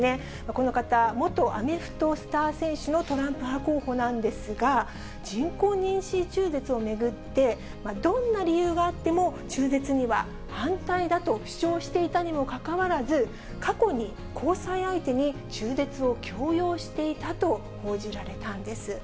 この方、元アメフトスター選手のトランプ派候補なんですが、人工妊娠中絶を巡って、どんな理由があっても中絶には反対だと主張していたにもかかわらず、過去に交際相手に中絶を強要していたと報じられたんです。